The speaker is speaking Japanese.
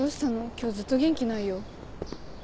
今日ずっと元気ないよ。